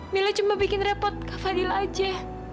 mila cuma bikin repot ke fadil aja